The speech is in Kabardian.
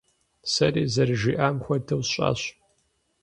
Сэри зэрыжиӀам хуэдэу сщӀащ.